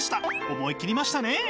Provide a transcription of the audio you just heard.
思い切りましたね！